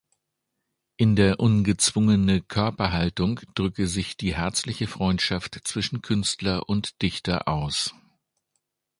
In der ungezwungene Körperhaltung drücke sich die herzliche Freundschaft zwischen Künstler und Dichter aus.